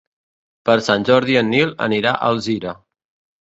Per Sant Jordi en Nil anirà a Alzira.